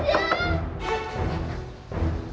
aduh bu saja